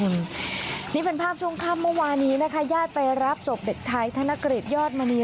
นี่เป็นภาพช่วงค่ำเมื่อวานนี้นะคะญาติไปรับศพเด็กชายธนกฤษยอดมณี